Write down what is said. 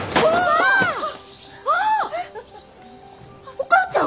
お母ちゃん！